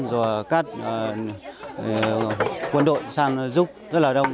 rồi các quân đội sang giúp rất là đông